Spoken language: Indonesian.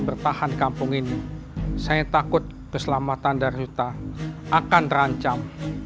bertahan kampung ini saya takut keselamatan darasulta akan terancam